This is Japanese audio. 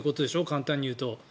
簡単に言うと。